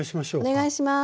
お願いします。